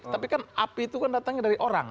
tapi kan api itu kan datangnya dari orang